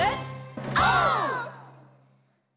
オー！